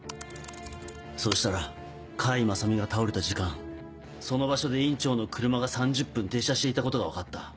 そしたら甲斐正美が倒れた時間その場所で院長の車が３０分停車していたことが分かった。